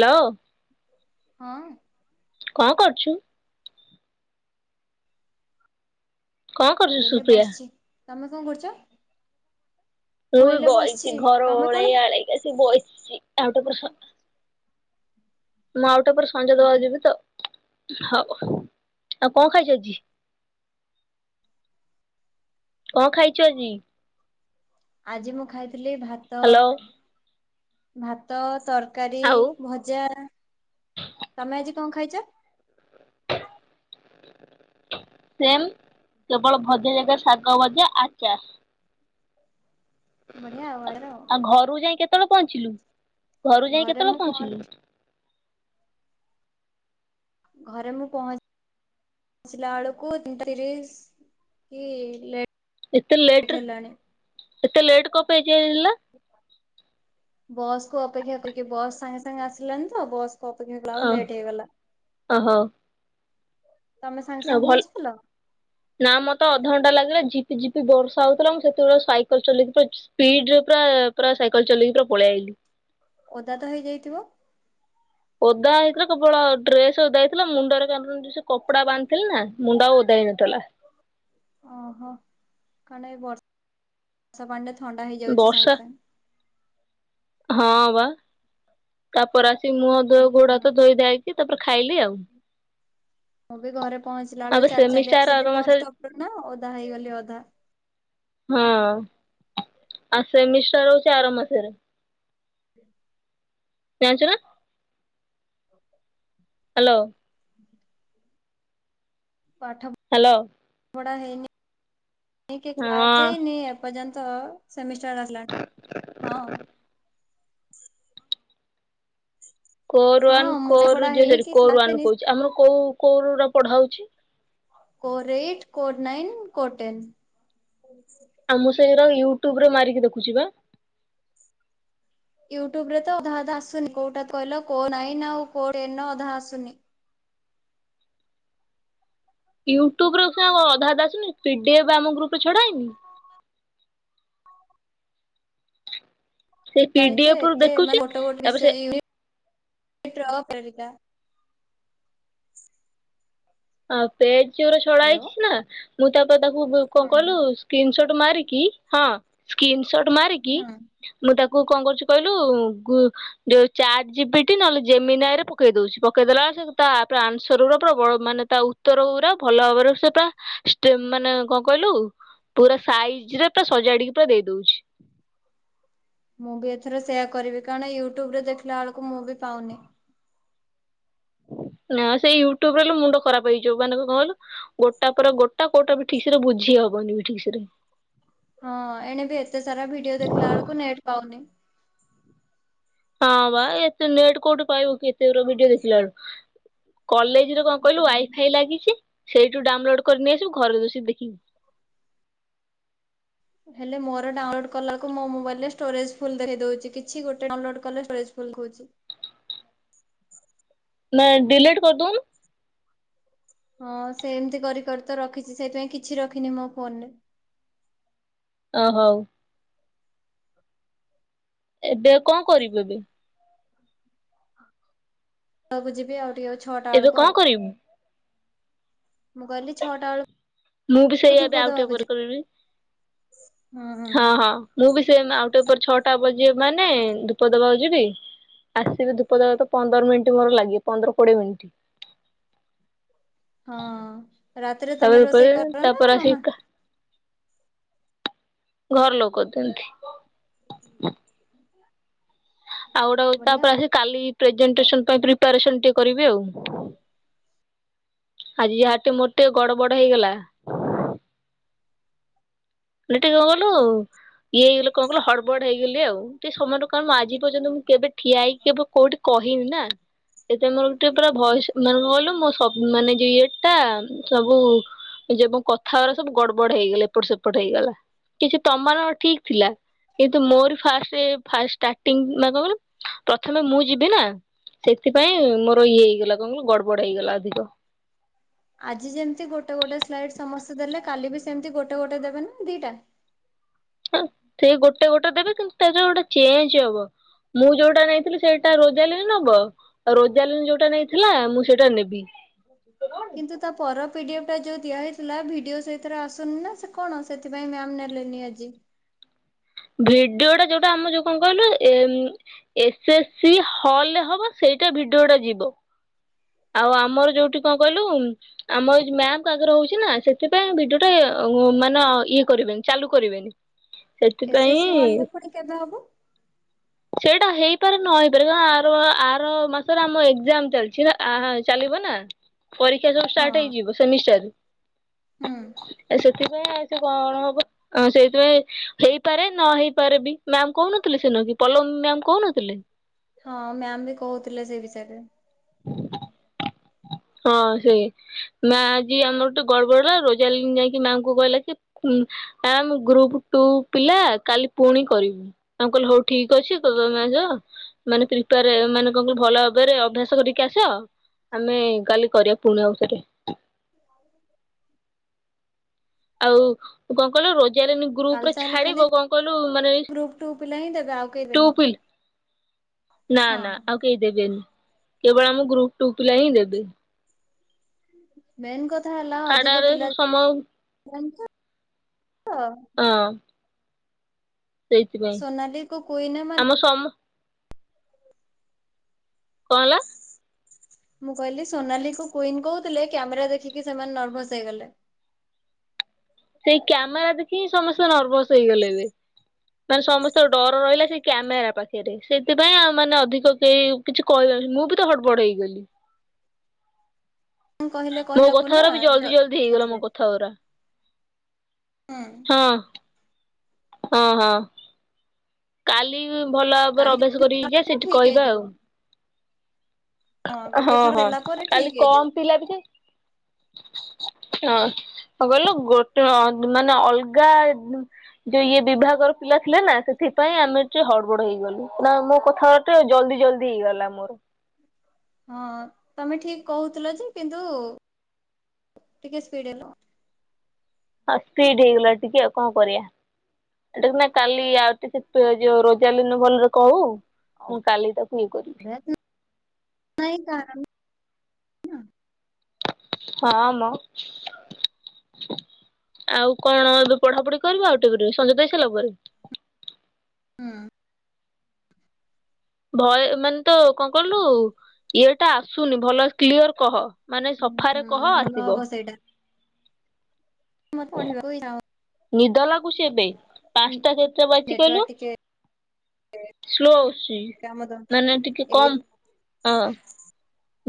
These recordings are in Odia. ହାଲୋ। ହଁ। କଣ କରୁଛୁ? କଣ କରୁଛୁ ଏଇଲେ ସୁପ୍ରିୟା? ବସିଛି। ତମେ କଣ କରୁଛ? ମୁଁ ବି ଏଇଲେ ବସିଛି ବଇଛି। ଘର ତମେ କଣ? ଓଳେଇ ଆଳେଇକି ଆସି ବଇଛି। ଆଉ ଟିକେ ପରେ ମୁଁ ଆଉ ଟିକେ ପରେ ସଞ୍ଜ ଦେବାକୁ ଯିବି ତ। ହଉ ଆଉ କଣ ଖାଇଛ ଆଜି? କଣ ଖାଇଛୁ ଆଜି? ଆଜି ମୁଁ ଖାଇଥିଲି ଭାତ। ହ୍ୟାଲୋ ଭାତ ତରକାରୀ ଆଉ ଭଜା। ତମେ ଆଜି କଣ ଖାଇଛ? ସେମ୍ କେବଳ ଭଜା ଜାଗାରେ ସାଗ ଭଜା ଆଚାର। ବଢିଆ ଆର ଆଉ ଘରୁକୁ ଯାଇ କେତେବେଳେ ପହଞ୍ଚିଲୁ? ଘରୁ ଯାଇ ଘରେ ମୁଁ କେତେବେଳେ ପହଞ୍ଚିଲୁ? ପହଞ୍ଚ ଘରେ ମୁଁ ପହଞ୍ଚି ପଚିଲା ବେଳକୁ ତିନଟା ତିରିଶ କି ଲେଟ ଏତେ ଲେଟ୍ ରେ ଏତେ ଲେଟ୍ କଣ ପାଇ ଆଜି ହେଲା? ବସ୍ କୁ ଅପେକ୍ଷା କରିକି ବସ୍ ସାଙ୍ଗେ ସାଙ୍ଗେ ଆସିଲାନି ତ। ବସ୍ ଅପେକ୍ଷା କଲା ଓ ବେଳକୁ ଲେଟେ ହେଇଗଲା। ଓହୋ ତମେ ସାଙ୍ଗେ ଆଉ ସାଙ୍ଗେ ଭଲ ପହଞ୍ଚିଥିଲ। ନା ମତେ ଅଧଘଣ୍ଟା ଲାଗିଲା ଜିପି ଜିପି ବର୍ଷା ହଉଥିଲା। ମୁଁ ସେତେବେଳେ ସାଇକେଲ ଚଲେଇକି ସ୍ପିଡ ରେ ପୁରା ପୁରା ସାଇକେଲ ଚଲେଇକି ପୁରା ପଳେଇ ଆଇଲିି ଓଦା ତ ହେଇ ଯାଇଥିବ। ଓଦା ହେଇଥିଲା କେବଳ ଡ୍ରେସ ଓଦା ହେଇଥିଲା। ମୁଣ୍ଡରେ ସେ କପଡା ବାନ୍ଧଥିଲେ ନା ମୁଣ୍ଡ ଆଉ ଓଦା ହେଇନଥିଲା। ଓହୋ କାରଣ ଏ ବର୍ଷା ବର୍ଷା ପାଣିରେ ଥଣ୍ଡା ହେଇଯାଉଛି ବର୍ଷା ସାଙ୍ଗେ ସାଙ୍ଗେ। ହଁ ବା ତାପରେ ଆସିକି ମୁହଁ ଧୋ ଘୋଡ ହାତ ଧୋଇ ଦେଇକି ତାପରେ ଖାଇଲି ଆଉ। ହୁଁ। ମୁଁ ବି ଘରେ ପହଞ୍ଚିଲା ଆବେ ବେଳକୁ ଚାଲି ଚାଲି ସେମିଷ୍ଟାର ଆର ଆସିଲି ବସ୍ ମାସରେ ଷ୍ଟପ୍ ରୁ ନା ଓଦା ହେଇଗଲି ଅଧା। ହଁ ଆ ସେମିଷ୍ଟର ହଉଛି ଆର ମାସରେ। ହ। ଯାଞ୍ଚନା। ହ। ହ୍ୟାଲୋ। ହୁଁ। ପାଠମ୍ ହ୍ୟାଲୋ। ପାଠ ପଢା ହେଇନି କି କ୍ଲାସ ହଁ ହେଇନି ଏପର୍ଯ୍ୟନ୍ତ। ସେମିଷ୍ଟାର ଆସିଲାଣି ହଁ। କୋର ହଁ ୱାନ ମୁଁ କୋର ପଢା ଯେ ହେଇନି ସରି କି କୋର କ୍ଲାସ ୱାନ ହେଇନି କହୁଛି ଆମର କୋଉ କୋରା ପଢା ହଉଛି। କୋର ଏଇଟ୍ କୋର ନାଇନ୍ କୋର ଟେନ୍। ଆ ମୁଁ ସେଇରା ୟୁଟ୍ୟୁବରେ ମାରିକି ଦେଖୁଛି ବା। ୟୁଟ୍ୟୁବରେ ତ ଅଧା ଅଧା ଆସୁନି। କୋଉଟା କହିଲ କୋଉ ନାଇ ଆଉ କୋଉନ ଅଧା ଆସୁନି। ୟୁଟ୍ୟୁବ ରେ ସିନା ଅଧା ଅଧା ଆସୁନି ପିଡିଏଫ୍ ଆମ ଗ୍ରୁପରେ ଛଡା ହେଇନି। ସେଇ ନାଇଁ ଯେ ପିଡିଏଫ୍ ରୁ ଏତେ ଦେଖୁଛି ମାନେ ଗୋଟେ ଗୋଟେ ତାପରେ ସେ ବିଷୟ [unintelligible] ଆଁ ପେଜେ ଯୋଉରା ଛଡା ହ୍ୟାଲୋ ହେଇଛି ନା ମୁଁ ତାପରେ ତାକୁ କଣ ହୁଁ କହିଲୁ ସ୍କ୍ରିନଶଟ ମାରିକି ହଁ ସ୍କ୍ରିନଶଟ ମାରିକି ହୁଁ ମୁଁ ତାକୁ କଣ କରୁଛି କହିଲୁ ଗୁ ଯୋଉ ଚାର ଜିବିଟି ନହେଲେ ଜେମିନି ଆଇରେ ପକେଇ ଦଉଛି। ପକେଇ ଦେଲା ବଳେ ତା ଆନ୍ସର ର ପ୍ରବଳ ମାନେ ତା ଉତ୍ତର ପୁରା ଭଲ ଭାବରେ ସେ ପୁରା ଷ୍ଟେ ମାନେ କଣ କହିଲୁ? ପୁରା ସାଇଜ ରେ ପୁରା ସଜାଡିକି ପୁରା ଦେଇ ଦଉଛି। ମୁଁ ବି ଏଥର ସେୟା କରିବି କାରଣ ୟୁଟ୍ୟୁବରେ ଦେଖିଲା ଏଳକୁ ମୁଁ ବି ପାଉନି। ନା ସେଇ ୟୁଟ୍ୟୁବ ରହିଲେ ମୁଣ୍ଡ ଖରାପ ହେଇଯିବ କାହିଁ ନା କଇଲୁ? ଗୋଟା ପରେ ଗୋଟା କୋଉଟା ବି ଠିକ ସେରେ ବୁଝି ହବନି ବି ଠିକ ସେରେ। ହଁ ଏଣେ ବିି ଏତେ ସାରା ଭିଡିଓ ଦେଖିଲା ବେଳକୁ ନେଟ୍ ପାଉନି। ହଁ ବା ଏତେ ନେଟ କୋଉଠି ପାଇବୁ କି ଏତେ ଗୁରା ଭିଡିଓ ଦେଖିଲା ବେଳକୁ। କଲେଜରେ କଣ କହିଲୁ ୱାଇଫାଇ ଲାଗିଛି ସେଇଠୁ ଡାଉନଲୋଡ୍ କରି ନେଇ ଆସିବୁ ଘରେ ବସିକି ଦେଖିବୁ। ହେଲେ ମୋର ଡାଉନଲୋଡ କଲାକୁ ମୋ ମୋବାଇଲରେ ଷ୍ଟୋରେଜ ଫୁଲ ଦେଖେଇ ଦଉଛି କିଛି ଗୋଟେ ଡ଼ାଉନ୍‌ଲୋଡ କଲେ ଷ୍ଟୋରେଜ ଫୁଲ ଦେଖଉଛି। ନାଇଁ ଡିିଲଟ୍ କରିଦଉନୁ। ହଁ ସେ ଏମିତି କରି କରି ତ ରଖିଛି ସେଥିପାଇଁ କିଛି ରଖିନି ମୋ ଫୋନରେ। ଓ ହଉ। ଏବେ କଣ କରିବୁ ଏବେ? ହଉକୁ ଯିବି ଆଉିକ ଅଛି। ଏବେ କଣ କରିବୁ? ମୁଁ କହିଲି ଛଅଟା ମୁଁ ବି ସେଇ ବେଳକୁକୁ ଏବେ ଧୂପ ଆଉ ଟିକେ ଦେବାକୁ ପରେ କରିବି। ଯିବି। ହୁଁ ହୁଁ। ହଁ ହଁ ମୁଁ ବି ସେ ଆଉଟେ ଉପ ଛଅଟା ବଜିବ ମାନେ ଧୂପ ଦବାକୁ ଯିବି ଆସିକି ଧୂପ ଦେେବା ତ ପନ୍ଦର ମିନିଟ୍ ମୋର ଲାଗେ ପନ୍ଦର କୋଡିଏ ମିନିଟ୍। ହଁ ରାତିରେ ତାପରେ ତମେ ରୋଷେଇ ଧୂପ କର ନା ତାପରେ ମାମା। ଆସିକି ଘର ଲୋକ ଦିଅନ୍ତି। [inaudible] ଆଉ ଗୋଟେ ବଢିଆ ଆଉ। ତାପରେ ଆସ କାଲି ପ୍ରେଜେଟ ପ୍ରିପାରେସନ୍ ଟିକେ କରିବେ ଆଉ ଆଜି ଯାହା ମୋ ଟେ ଗଡ଼ ବଡ଼ ହେଇଗଲା। [unintelligible] ଇଏ ହେଇଗଲି କଣ କହିଲୁ ହଡବଡ ହେଇଗଲି ଆଉ ଟିକେ ସମନଙ୍କୁ କଣ ଆଜି ପର୍ଯ୍ୟନ୍ତ ମୁଁ କେବେ ଠିଆ ହେଇକି କେବେ କୋଉଠି କହିନି ନା ସେଟା ମୋର ଗୋଟେ ପୁରା ଭୟସ ମାନେ କଁ କହିଲୁ ମୋ ସ ମାନେ ଯ ଇଏ ଟା ସବୁ ଯେ କଥା ଗୁଡ଼ା ସବୁ ଗଡ ବଡ ହେଇଗଲା ଏପଟ ସେପଟ ହେଇଗଲା କିଛି ତମର ଠିକ ଥିଲା। କିନ୍ତୁ ମୋର ଫାଷ୍ଟ ଫାଷ୍ଟ ସ୍ଟାଟିଙ୍ଗ୍ ନା କଣ କହିଲୁ ପ୍ରଥମେ ମୁଁ ଯିବି ନା ସେଥିପାଇଁ ମୋର ଇଏ ହେଇଗଲା କଣ କହିଲୁ ଗଡବଡ ହେଇଗଲା ଅଧିକ। ଆଜି ଯେମିତି ଗୋଟେ ଗୋଟେ ସ୍ଲାଇଡ ସମସ୍ତେ ଦେଲେ କାଲି ବି ସେମିତି ଗୋଟେ ଗୋଟେ ଦେବେ ନା ଦିଟା? ହ ସେଇ ଗୋଟେ ଗୋଟେ ଦେବେ କିନ୍ତୁ ତା ଯ ଗୋଟେ ଚେଞ୍ଜ ହବ। ମୁଁ ଯୋଉଟା ନେଇଥିଲି ସେଇଟା ରୋଜାଲିନ ନବ? ରୋଜାଲିନ ଯୋଉଟା ନେଇଥିଲା ମୁଁ ସେଇଟା ନେବି। କିନ୍ତୁ ତା ପର ପିଡିଏଫଟା ଯୋଉ ଦିଆ ହେଇଥିଲା ଭିଡିଓ ସେଇଥିରେ ଆସୁନି ନା ସେ କଣ ସେଥିପାଇଁ ମ୍ୟାାମ ନେଲେନି ଆଜି। ଭିଡିଓଟା ଯୋଉଟା ଆମ ଯୋଉ କଣ କହିଲୁ ଏମ୍ ଏସ୍ଏସ୍ସିି ହଲରେ ହେବ ସେଇଟା ଭିଡ଼ିଓଟା ଯିବ। ଆଉ ଆମର ଯୋଉଠି କଣ କହିଲୁ ଆମ ମ୍ୟାମଙ୍କ ଆଗରେ ହଉଛି ନା ସେଥିପାଇଁ ଭିଡିଓଟା ମାନେ ଇଏ କରିବେନି ଚାଲୁ କରିବେନି। ଏସ୍ ଏସ୍ ସେଥିପାଇଁ ସି ହଲରେ ପୁଣି କେବେ ହବ ସେଇଟା ହେଇପାରେ ନ ହେଇପାରେ ଆର ମାସରେ ଆମ ଏଗଜାମ ଚାଲିଛି ଆ ହା ଚାଲିବ ନା। ପରୀକ୍ଷା ସବୁ ହଁ ଷ୍ଟାର୍ଟ ହେଇଯିବ ସେମିଷ୍ଟାର। ହୁଁ। ସେଥିପାଇଁ ଆ କଣ ହବ ସେଇଥିପାଇଁ ହେଇପାରେ ନ ହେଇପାରେ ବି ମ୍ୟାାମ କହୁନଥିଲେ ସେଦିନ କି ପଲମ ମ୍ୟାାମ କହୁନଥିଲେ। ହଁ ମ୍ୟାମ ବି କହୁଥିଲେ ସେ ବିଷୟରେ। [unintelligible] ହଁ ସେଇ। ମା ଆଜି ଆମର ଗୋଟେ ଗଡବଡ ଲା ରୋଜାଲିନ ଯାଇକି ମାଆଙ୍କୁ କହିଲା ସେ ଆ ମୁଁ ଗ୍ରୁପ ଟୁ ପିଲା କାଲି ପୁଣି କରିବୁ। ତାଙ୍କୁ କହିଲୁ ହଉ ଠିକ ଅଛି [unintelligible] ମାନେ ପ୍ରିପାର ମାନେ କଣ କହିଲୁ ଭଲ ଭାବରେ ଅଭ୍ୟାସ କରିକି ଆସ ଆମେ କାଲି କରିବା ପୁଣି ଆଉଥରେ। ଆଉ କଣ କହିଲ ରୋଜାରେ କାଲି ଗ୍ରୁପ ରେ ତାହେଲେ ଖାଲି ଛାଡିବ କଣ କହିଲୁ ମାନେ ଗ୍ରୁପ୍ ଟୁ ପିଲା ହିଁ ଦେବେ ଆଉ କେହି ଟୁ ଦେବେନି ପ ନା ନା ହଁ। ଆଉ କେହି ଦେବେନି କେବଳ ଆମ ଗ୍ରୁପ ଟୁ ପିଲା ହିଁ ଦେବେ। ମେନ୍ କଥା ହେଲା ଅଧିକ ଖାଡାରେ ପିଲା ସମ ହଁ [unintelligible] ହିଁ। ହଁ। ସୋନାଲିୀ କୁ କୁଇନା ମାନେ ମୋ ସମ କଣ ହେଲା? ମୁଁ କହିଲି ସୋନାଲିକୁ କୁଇନି କହୁଥିଲେ କ୍ୟାମେରା ଦେଖିକି ସେମାନେ ନର୍ଭସ ହେଇଗଲେ। ସେଇ କ୍ୟାମେରା ଦେଖି ହିଁ ସମସ୍ତେ ନର୍ଭସ ହେଇଗଲେ ଏବେ। ମାନେ ସମସ୍ତଙ୍କ ଡର ରହିଲା ସେ କ୍ୟାମେରା ପାଖରେ ସେଇଥିପାଇଁ ଆଉ ମାନେ ଅଧିକ କେହି କିଛି କହିପାରିଲିନି ମୁଁ ବି ତ ହଡ ବଡ଼ ହେଇଗଲି। କହିଲେ କହିବାକୁ ନା ଯ ସେଥିପାଇଁ ହଉ ରା ହୁଁ। ହଁ। ହଁ ହଁ। କାଲି ଭଲ ଭାବରେ କାଲି ଅଭ୍ୟାସ କରିକି ଯିବା ସେଠି ଠିକ୍ କହିବା ଆଉ। ହେଇଯିବ। ହଁ ଗୋଟେ ଥର ହଁ ହେଲା ପରେ କାଲି ଠିକ୍ କମ ହେଇଯିବ। ପିଲା ବି ହଁ କଣ କହିଲୁ ଗୋଟେ ମାନେ ଅଲଗା ଯୋଉ ଇଏ ବିଭାଗର ପିଲା ଥିଲେ ନା ସେଥିପାଇଁ ଆମେ ଟେ ହଡବଡ ହେଇଗଲୁ ନା ମୋ କଥା। ତେ ଜଲଦି ଜଲଦି ହେଇଗଲା ମୋର ହଁ ତମେ ଠିକ କହୁଥିଲ ଯେ କିନ୍ତୁ ଟିକେ ସ୍ପିଡି ହେଲ ହଁ ସ୍ପିଡି ହେଇଗଲା ଟିକେ ଆଉ କଣ କରିବା। ଏଟା ନା କାଲି ଆଉ ଟିକେ ଜ ଜୋଉ ରୋଜାଲୀନା ଭଲରେ କହୁ। ହଉ [inaudible] ମୁଁ କାଲି ତାକୁ ଇଏ କରିବି। ନିହିଁ କାଲି। ହଁ ମ। ଆଉ କଣ ତୁ ପଢାପଢି କରିବୁ ଆଉ ଟିକେ ପରେ ସଞ୍ଜ ଦେଇ ସାରିଲା ପରେ? ହୁଁ। ଭୟ ମାନେ ତ କଣ କଇଲୁ ଇଏ ଟା ଆସୁନି ଭଲ କ୍ଲିୟର କହ। ମାନେ ହୁଁ ସଫାରେ କହ ଭଲ ଆସିବ। ହବ ମୋର ପଢ଼ି ବାକୁ ଇଛା ହେଉନି। ନିଦ ଲାଗୁଚି ଏବେ ପାଞ୍ଚଟା କେତେଟା ବାଚି ନେଟୱାର୍କ କହିଲୁ? ଟିକେ ସ୍ଲୋ ଆସୁଚି କାମ ଦ ମାନେ ଟିକେ ଏଇ କମ୍ ହଁ।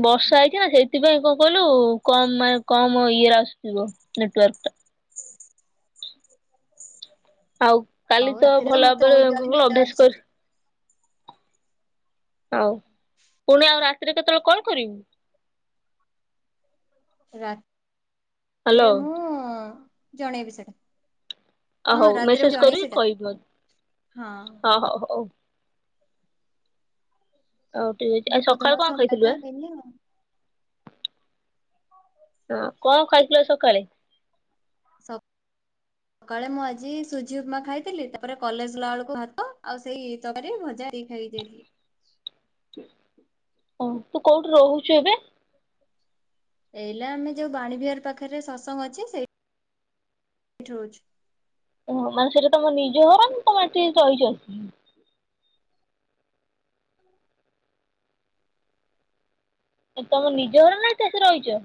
ବର୍ଷା ଆଜ୍ଞା ହେ ସେଥିପାଇଁ କଣ କହିଲୁ କମ୍ ମାନେ କମ୍ ଇଏର ଆସୁଥିବ ନେଟୱାର୍କ। ଟା। ଆଉ କାଲି ଆଉ ତ ରାତିରେ ଭଲ ମତେ ଭାବରେ ବହୁତ ଜଲଦି ନିଦ ଅଭ୍ୟାସ ଆସୁଛି। କରି ହଉ ପୁଣି ଆଉ ରାତିରେ କେତେବେଳେ କଲ୍ କରିବୁ? ହ୍ୟାଲୋ ରାତିରେ ମୁଁ ଜଣେଇବି ସେଟା। ଅ ହଁ ହଉ ରାତିରେ ମେସେଜ ମୁଁ ଜଣେଇସେଟା ହଁ। ଓ ହୋ ହୋଉ। ହଉ ଠିକ୍ ଅଛି ଆଉ ସକାଳୁ କଣ ଖାଇଥିଲୁ ବା ହେଲୋ। ହଁ କଣ ଖାଇଥିଲ ସକାଳେ? ସବ ସକାଳେ ମୁଁ ଆଜି ସୁଜି ଉପମା ଖାଇଥିଲି ତାପରେ କଲେଜଲା ବେଳକୁ ଭାତ ଆଉ ସେଇ ତରକାରୀ ଭଜା ଦେଇ ଖାଇଦେଲି। ହଁ ତୁ କୋଉଠୁ ରହୁଛୁ ଏବେ? ଏଇଲା ଆମେ ଯୋଉ ବାଣୀ ବିହାର ପାଖରେ ସତସଙ୍ଗ ଅଛି ସେଇ ଠି ରହୁଛି। ଓହ ମାନେ ସେଇଟା ତମ ନିଜ ହର ତମ ଏଠିକି ରହିଚନ। ଏ ତମ ନିଜ ଘର ନା ଏଠି ଆସିକି ରହିଛ।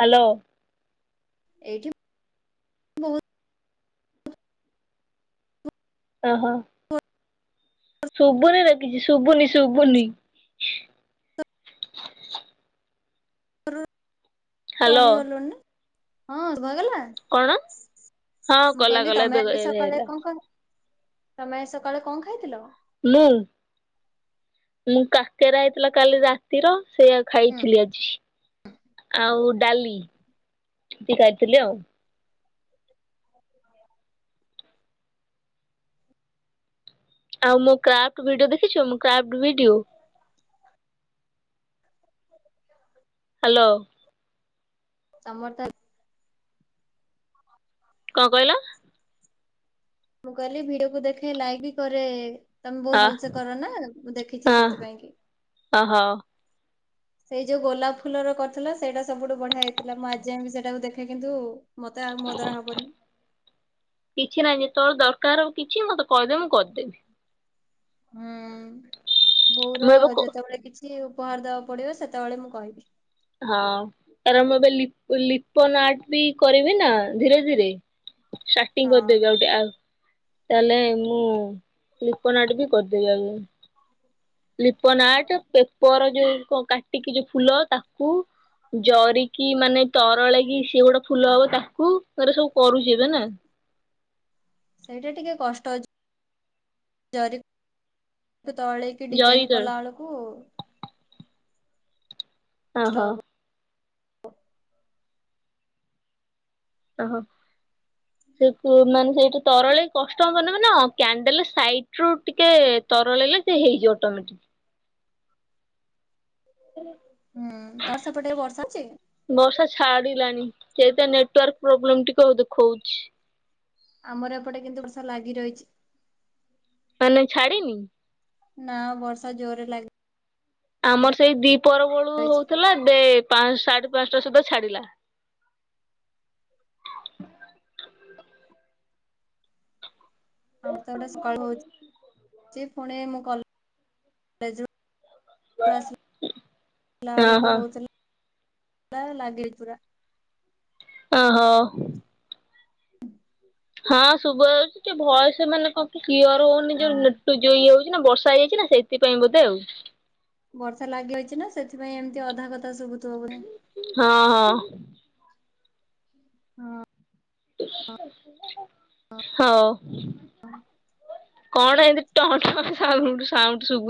ହ୍ୟାଲୋ। ଏଇଠି ବହୁତ ଓହୋ। [unintelligible] ଶୁଭୁନି ରେ କିଛି ଶୁଭୁନି ଶୁଭୁନି। [unintelligible] ହ୍ୟାଲୋ ରହିଗଲୁଣି ନା। କଣ? ହଁ ମୁଁ କଲା କହିଲି କଲା ତମେ ଏବେ ଏତେ ଏବେ ସକାଳେ ହେଲା କଣ କ ତମେ ଆଜି ସକାଳେ କଣ ଖାଇଥିଲ? ମୁଁ ମୁଁ କାକେରା ହେଇଥିଲା କାଲି ରା ତିର ସେଇଆ ଖାଇଥିଲି ଆଜି। ଆଉ ଡାଲି ସେ ଖାଇଥିଲି ଆଉ। ଆଉ ମୁଁ କ୍ରାଫ୍ଟ ଭିଡିଓ ଦେଖିଛୁ ମୁ କ୍ରାଫ୍ଟ ଭିଡିଓ। ହ୍ୟାଲୋ। ତମର ତା କଣ କହିଲ? ମୁଁ କହିଲି ଭିଡିଓକୁୁ ଦେଖେ ଲାଇକ୍ ବି କରେ। ତମେ ବହୁ ଅ ଭଲସ କରନା ମୁଁ ଦେଖିଛି ହଁ ସେଥିପାଇଁ କି। ଅ ହଉ। ସେଇ ଯୋଉ ଗୋଲାପ ଫୁଲ ର କରିଥିଲା ସେଇଟା ସବୁଠୁ ବଢିଆ ହେଇଥିଲା ମୁଁ ଆଜି ଯାଏ ସେଇଟାକୁ ଦେଖେ କିନ୍ତୁ ମତେ ଆଉ ମୋ ଦ୍ଵାରା ହବନି। କିଛି ନାହିଁ ଯେତଳେ ଦରକାର କିଛି ମତେ କହିଦେବେ ମୁଁ କରିଦେବି। ହୁଁ ବୋଉର ମୁଁ ଏବେ କ ଯେତେବେଳେ କିଛି ଉପହାର ଦବାକୁ ପଡିବ ସେତେବେଳେ ମୁଁ କହିବି। ହଁ ତାର ମୁଁ ଏବେ ଲିପ ଲିପନ ଆଟ ବି କରିବି ନା ଧୀରେ ଧୀରେ। ଷ୍ଟାର୍ଟିଂ କରିଦେବି ହଁ। ଆଉ ଗୋଟେ ଆଉ। ତାହେଲେ ମୁଁ ଫ୍ଲିପନ ଆର୍ଟ ବି କରିଦେବି [unintelligible] ଲିପନ ଆର୍ଟ ପେପର ଯୋଉ କାଟିକି ଯୋଉ ଫୁଲ ତାକୁ ଜରିକି ମାନେ ତରଳ କି ସିଏ ଗୋଟେ ଫୁଲ ହବ ତାକୁ ଏରା ସବୁ କରୁଛି ଏବେ ନା। ସେଇଟା ଟିକେ କଷ୍ଟ ଅଛି ଜରି ତଳେଇକି। କି ଜରି ଡିଜାଇନ୍ ତଳେ କଲା ବେଳକୁ କଷ୍ଟ ଓହୋ। ହବ। ଓହୋ। ହଁ ସେ ମାନେ ସେଇଠି ତରଳେଇକି କଷ୍ଟ ହବନା ମାନେ କ୍ୟାଣ୍ଡେଲ ସାଇଟ ରୁ ଟିକେ ତରଳେଇଲେ ସେ ହେଇଯିବ ଅଟୋମେଟିକ୍। [unintelligible] ହୁଁ ତମ ସେପଟେ ବର୍ଷା ଅଛି। ବର୍ଷା ଛାଡିଲାଣି ସେଟ ନେଟୱାର୍କ ପ୍ରୋବ୍ଲେମ ଟିକେ ଦେଖଉଛି। ଆମର ଏପଟେ କିନ୍ତୁ ବର୍ଷା ଲାଗି ରହିଛି। ମାନେ ଛାଡ଼ିନିି। ନା ବର୍ଷା ଜୋର ରେ ଲାଗ ଆମର ସେଇ ଦି ପର ବଳୁ ରହିଛି। ହଉଥିଲା ଦେ ପାଞ୍ଚ ସାଢେ ପାଞ୍ଚଟା ସୁଦ୍ଧା ଛାଡିଲା। ଆମ ତ ଗୋଟେ ସକାଳୁ ହଉଛି ପୁଣି ମୁଁ କଲ [unintelligible] ବେଳକୁ ଓହୋ ହଉଥିଲା। ବା ଲାଗେ ପୁରା। ଆଃ ହୋ। ହଁ ଶୁବା ଯାଉଛି ଯେ ଭୟସ ମାନେ କଣ କି କିଓର ହଉନି ହଁ ଯୋଉ ନଟୁ ଜଇ ହଉଚି ନା ବର୍ଷା ହେଇ ଯାଇଛି ନା ସେଥିପାଇଁ ବୋଧେ ଆଉ ବର୍ଷା ଲାଗିଲଇଚି ନା ସେଥିପାଇଁ ଏମିତି ଅଧା କଥା ଶୁଭୁଥିବ ବୋଧେ ହଁ ହଁ ହଁ ହଉ କଣ ଏମତି ଟ ସାଉଣ୍ଡ ସାଉଣ୍ଡ ଶୁୁବୁ